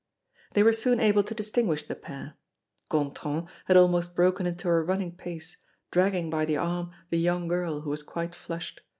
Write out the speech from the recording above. They were soon able to distinguish the pair. Gontran had almost broken into a running pace, dragging by the arm the young girl, who was quite flushed.